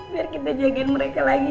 biar kita jagain mereka lagi